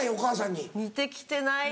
似てきてない。